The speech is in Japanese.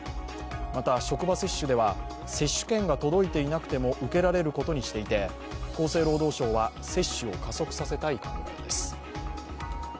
また職場接種では接種券が届いていなくても受けられることにしていて、厚生労働省は接種を加速させたい考えです。